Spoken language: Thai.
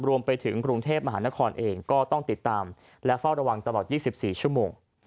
รวมไปถึงกรุงเทพมหานครเองก็ต้องติดตามและเฝ้าระวังตลอด๒๔ชั่วโมง